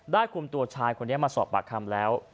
คุมตัวชายคนนี้มาสอบปากคำแล้ว